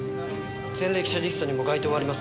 前歴者リストにも該当はありません。